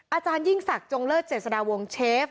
อาจารย์ยิ่งสักจงเลิศเศรษฐาวงเชฟ